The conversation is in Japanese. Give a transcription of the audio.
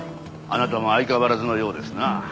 あなたも相変わらずのようですな。